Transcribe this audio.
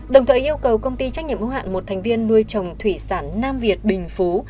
đồng thời yêu cầu công ty trách nhiệm ưu hạn một thành viên nuôi trồng thủy sản nam việt bình phú